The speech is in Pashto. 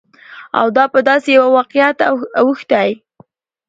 او دا په داسې يوه واقعيت اوښتى،